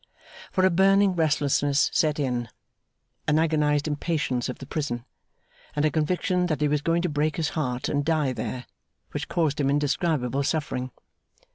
For a burning restlessness set in, an agonised impatience of the prison, and a conviction that he was going to break his heart and die there, which caused him indescribable suffering.